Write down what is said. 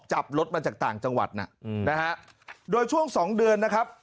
จับรถมาจากต่างจังหวัดน่ะนะฮะโดยช่วงสองเดือนนะครับ